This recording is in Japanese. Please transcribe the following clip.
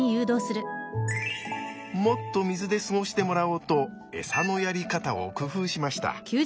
もっと水で過ごしてもらおうとエサのやり方を工夫しました。